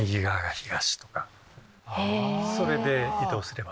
それで移動すれば。